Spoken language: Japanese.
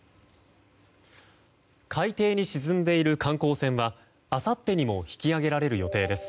海底に沈んでいる観光船はあさってにも引き揚げられる予定です。